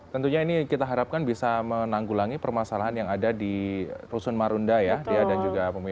tentunya ini kita harapkan bisa menanggulangi permasalahan yang ada di rusun marunda ya